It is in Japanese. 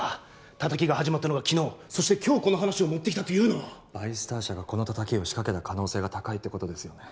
叩きが始まったのが昨日そして今日この話を持ってきたというのはバイスター社がこの叩きを仕掛けた可能性が高いってことですよね